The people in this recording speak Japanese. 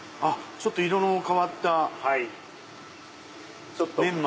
ちょっと色の変わったメンマ。